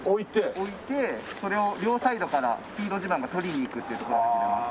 置いてそれを両サイドからスピード自慢が取りに行くっていうところから始めます。